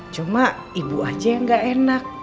cuma ibu aja yang gak enak